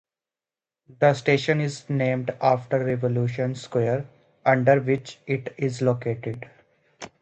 The station is named after Revolution Square, under which it is located.